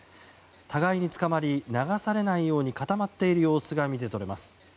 互いにつかまり流されないように固まっている様子が見て取れます。